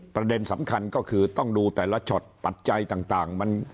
ประเด็นสำคัญก็คือต้องดูแต่ละช็อตปัจจัยต่าง